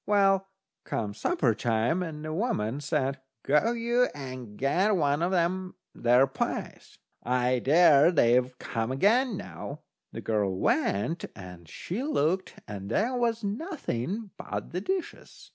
Well, come supper time the woman said: "Go you, and get one o' them there pies. I dare say they've come again now." The girl went and she looked, and there was nothing but the dishes.